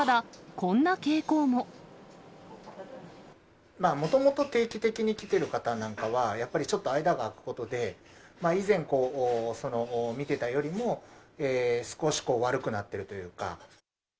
もともと、定期的に来てる方なんかは、やっぱりちょっと間が空くことで、以前見ていたよりも、少し悪くなってるというか。